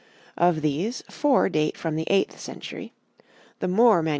Of these, four date from the eighth century: the Moore MS.